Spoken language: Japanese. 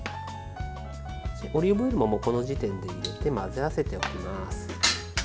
オリーブオイルもこの時点で入れて混ぜ合わせておきます。